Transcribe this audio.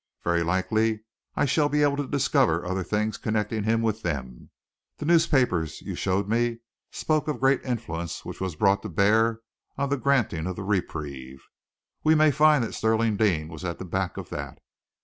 Very likely I shall be able to discover other things connecting him with them. The newspapers you showed me spoke of great influence which was brought to bear on the granting of the reprieve. We may find that Stirling Deane was at the back of that.